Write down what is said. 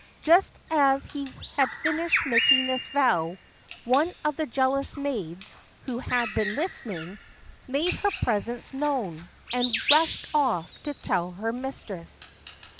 Just as he had finished making this vow, one of the jealous maids (who had been listening) made her presence known, and rushed off to tell her mistress.